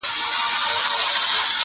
د سیالانو په ټولۍ کي یې تول سپک سي!